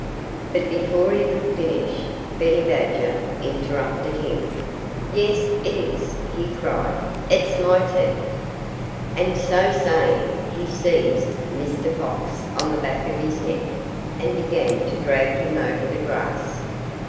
But before he could finish, Benny Badger interrupted him. "Yes, it is!" he cried. "It's my teeth!" And so saying, he seized Mr. Fox on the back of his neck and began to drag him over the grass.